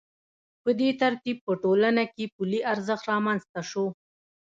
په دې ترتیب په ټولنه کې پولي ارزښت رامنځته شو